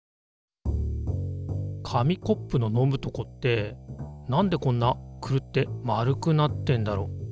紙コップの飲むとこって何でこんなクルって丸くなってんだろう。